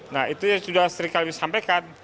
nah itu yang sudah sri kalimis sampaikan